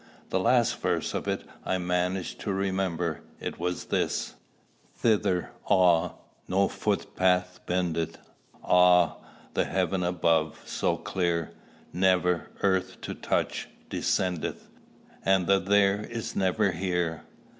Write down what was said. The last verse of it I managed to remember. It was this: Thither, ah! no footpath bendeth; Ah! the heaven above, so clear, Never, earth to touch, descendeth; And the There is never Here!"